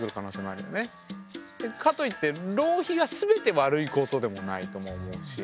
かといって浪費が全て悪いことでもないとも思うし。